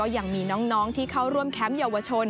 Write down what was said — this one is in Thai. ยังมีน้องที่เข้าร่วมแคมป์เยาวชน